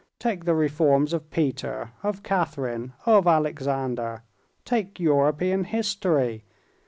"Take the reforms of Peter, of Catherine, of Alexander. Take European history.